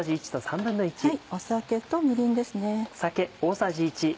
酒とみりんですね。